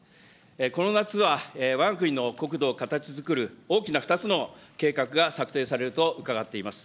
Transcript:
この夏は、わが国の国土を形づくる大きな２つの計画が策定されると伺っております。